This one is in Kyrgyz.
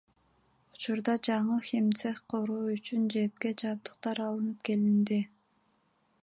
Учурда жаңы химцех куруу үчүн ЖЭБге жабдыктар алынып келинди.